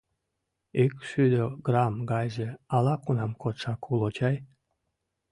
— Ик шӱдӧ грамм гайже ала-кунам кодшак уло чай.